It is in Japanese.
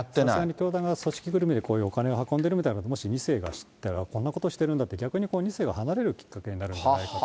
さすがにこういうお金を運んでるみたいなのが、もし２世が知ったら、こんなことを知ってるんだと、これは２世が離れるきっかけになるんじゃないかと。